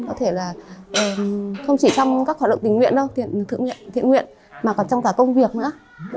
không chỉ trong các hoạt động tình nguyện đâu thiện nguyện mà còn trong cả công việc nữa